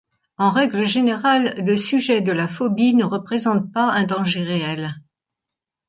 En règle générale, le sujet de la phobie ne représente pas un danger réel.